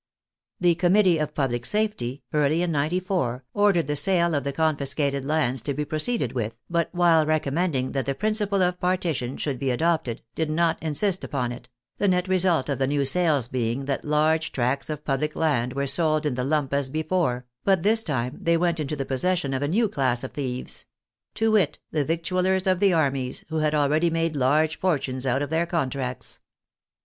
The Committee of Public Safety, early in '94, ordered the sale of the confiscated lands to be proceeded with, but while recommending that the principle of partition should be adopted, did not insist upon it, the net result of the new sales being that large tracts of public land were sold in the lump as before, but this time they went into the possession of a new class of thieves ; to wit, the victuallers of the armies, who had already made large fortunes out of their contracts.